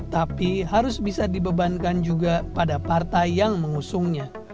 tapi harus bisa dibebankan juga pada partai yang mengusungnya